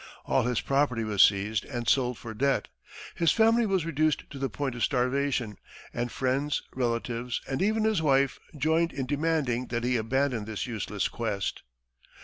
All his property was seized and sold for debt; his family was reduced to the point of starvation, and friends, relatives and even his wife joined in demanding that he abandon this useless quest.